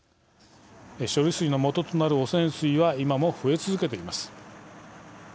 処理水の元となる汚染水は今も増え続けています。